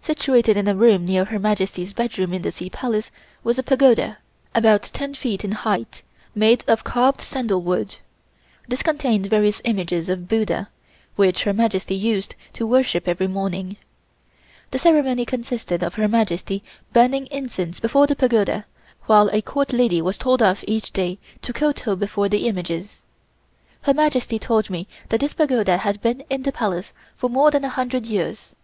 Situated in a room near Her Majesty's bedroom in the Sea Palace was a Pagoda, about ten feet in height, made of carved sandalwood. This contained various images of Buddha, which Her Majesty used to worship every morning. The ceremony consisted of Her Majesty burning incense before the Pagoda, while a Court lady was told off each day to kowtow before the images. Her Majesty told me that this Pagoda had been in the Palace for more than a hundred years.